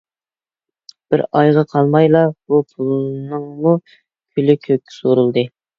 بىر ئايغا قالمايلا بۇ پۇلنىڭمۇ كۈلى كۆككە سورۇلدى.